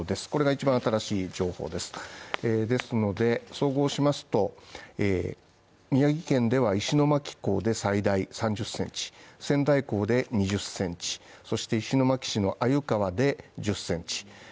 これが一番新しい情報ですので総合しますと宮城県では石巻港で最大３０センチ、仙台港で２０センチ、そして石巻市の鮎川で１０センチ